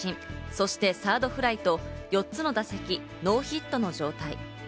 そしてサードフライと、４つの打席、ノーヒットの状態。